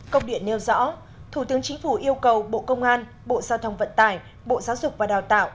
công điện nêu rõ thủ tướng chính phủ yêu cầu bộ công an bộ giao thông vận tải bộ giáo dục và đào tạo